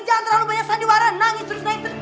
jangan terlalu banyak sandiwara nangis terus naik terus